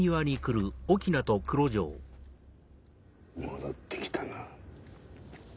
戻って来たな。